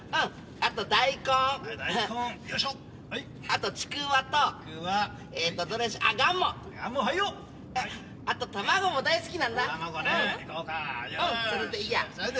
あと卵も大好きなんだ。